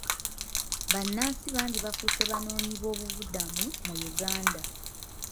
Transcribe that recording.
Bannansi bangi bafuuse banoonyiboobubudamu mu Uganda.